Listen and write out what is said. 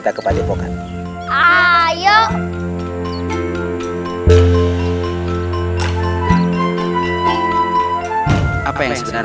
asep tidak apa apa